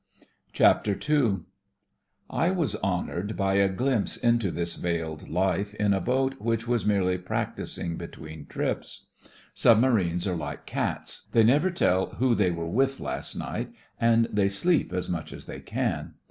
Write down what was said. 61 II SUBMARINES I was honoured by a glimpse into this veiled life in a boat which was merely practising between trips. Sub marines are like cats. They never tell "who they were with last night," and they sleep as much as they can.